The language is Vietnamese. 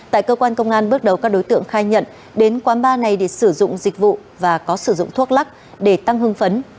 tại cơ quan công an bước đầu các đối tượng khai nhận đến quán bar này để sử dụng dịch vụ và có sử dụng thuốc lắc để tăng hương phấn